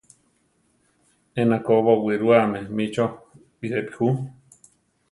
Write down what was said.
Ena ko bowirúame mí chó birepi ju.